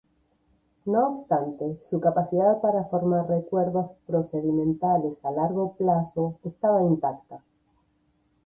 No obstante, su capacidad para formar recuerdos procedimentales a largo plazo estaba intacta.